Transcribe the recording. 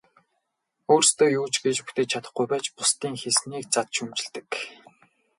Өөрсдөө юу ч хийж бүтээж чадахгүй байж бусдын хийснийг зад шүүмжилдэг.